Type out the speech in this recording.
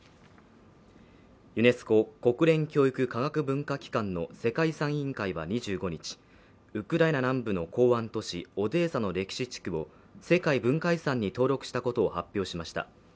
ユネスコ＝国連教育科学文化機関の世界遺産委員会は２５日、ウクライナ南部の港湾都市オデーサの歴史地区を世界文化遺産に登録したことを発表しました。